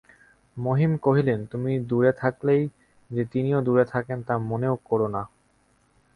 মহিম কহিলেন, তুমি দূরে থাকলেই যে তিনিও দূরে থাকেন তা মনেও কোরো না।